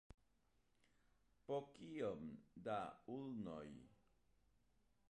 Po kiom da ulnoj?